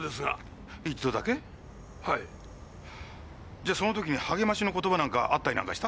じゃあその時に励ましの言葉なんかあったりなんかした？